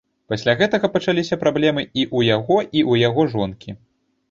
Пасля гэтага пачаліся праблемы і ў яго, і ў яго жонкі.